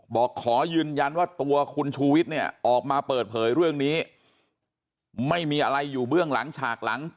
ขอยืนยันว่าตัวคุณชูวิทย์เนี่ยออกมาเปิดเผยเรื่องนี้ไม่มีอะไรอยู่เบื้องหลังฉากหลัง